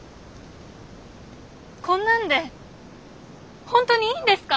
こんなんで本当にいいんですか？